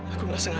aku gak sengaja